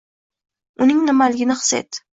uning nimaligini his et